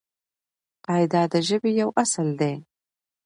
قاعده د ژبې یو اصل دئ.